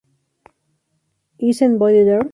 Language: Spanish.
Is Anybody There?